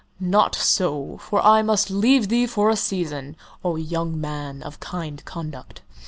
"Not so, for I must leave thee for a season, O young man of kind conduct.